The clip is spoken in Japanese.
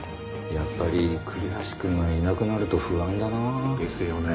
やっぱり栗橋くんがいなくなると不安だなあ。ですよね。